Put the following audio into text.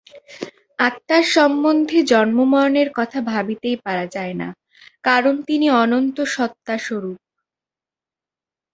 আত্মার সম্বন্ধে জন্ম-মরণের কথা ভাবিতেই পারা যায় না, কারণ তিনি অনন্ত সত্তাস্বরূপ।